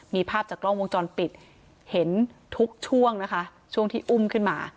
มีภาพจากกล้องวงจรปิดเห็นทุกช่วงนะคะช่วงที่อุ้มขึ้นมา